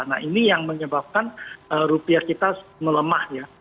nah ini yang menyebabkan rupiah kita melemah ya